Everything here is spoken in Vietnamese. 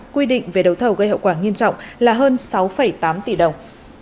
quy định về đấu thầu gây hậu quả nghiêm trọng là hơn sáu tám tỷ đồng